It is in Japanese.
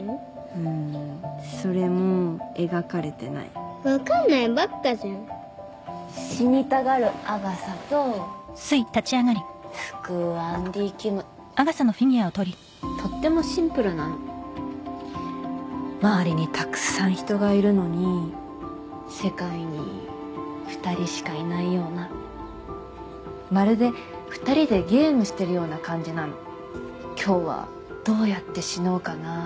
うーんそれも描かれてないわかんないばっかじゃん死にたがるアガサと救うアンディキムとってもシンプルなの周りにたくさん人がいるのに世界に２人しかいないようなまるで２人でゲームしてるような感じなの今日はどうやって死のうかな？